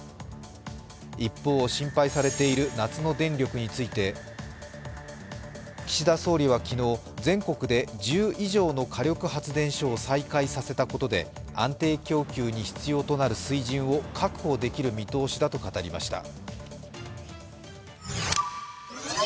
一方、心配されている夏の電力について岸田総理は昨日、全国で１０以上の火力発電所を再開させたことで安定供給に必要となる水準を確保できる見通しだと語りました。